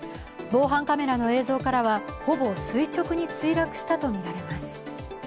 防犯カメラの映像からはほぼ垂直に墜落したとみられます。